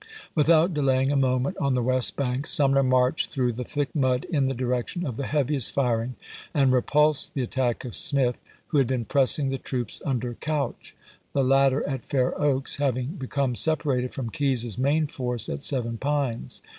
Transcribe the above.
Without delaying a moment on the west bank, Sumner marched through the thick mud in the direction of the heaviest firing and repulsed the attack of Smith, who had been pressing the troops Tinder Couch; the latter at Fair Oaks having be come separated from Keyes's main force at Seven Pines.